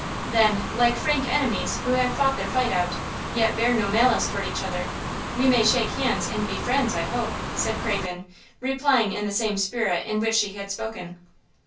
"Then, like frank enemies who have fought their fight out, yet bear no malice toward each other, we may shake hands and be friends, I hope," said Craven, replying in the same spirit in which she had spoken.